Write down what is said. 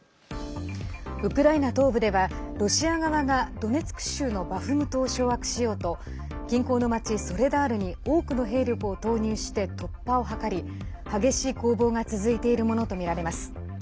ウクライナ東部ではロシア側がドネツク州のバフムトを掌握しようと近郊の町ソレダールに多くの兵力を投入して突破を図り激しい攻防が続いているものとみられます。